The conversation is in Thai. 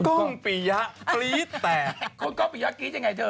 กล้องภิยะกรี๊ดยังไงเธอ